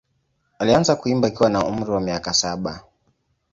Alianza kuimba akiwa na umri wa miaka saba.